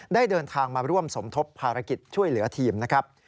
เดินทางมาร่วมสมทบภารกิจช่วยเหลือทีมนะครับ